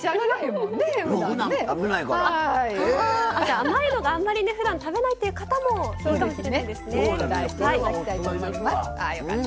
甘いのがあまりふだん食べないという方もいいかもしれないですね。